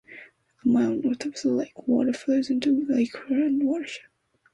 A mile north of the lake, water flows into the Lake Huron watershed.